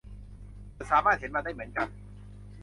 ฉันสามารถเห็นมันได้เหมือนกัน